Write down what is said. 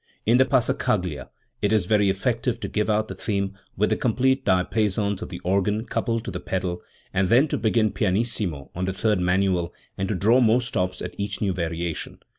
In the passacaglia it is very effective to give out the theme with the complete diapasons of tKe organ coupled to the pedal, and then to begin pianissimo on the third manual and to draw more stops at each new variation.